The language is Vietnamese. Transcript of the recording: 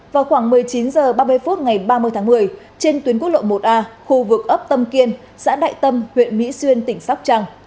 vào khoảng một mươi chín h ba mươi phút ngày ba mươi tháng một mươi trên tuyến quốc lộ một a khu vực ấp tâm kiên xã đại tâm huyện mỹ xuyên tỉnh sóc trăng